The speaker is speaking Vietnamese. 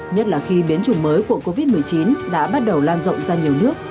nhất là khi biến chủng mới của covid một mươi chín đã bắt đầu lan rộng ra nhiều nước